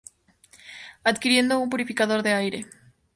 Adquiriendo un purificador de aire.